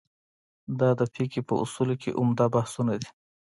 دا د فقهې په اصولو کې عمده مباحثو ده.